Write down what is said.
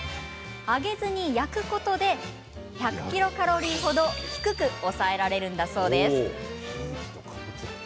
揚げずに焼くことで１００ｋｃａｌ程低く抑えられるんだそうです。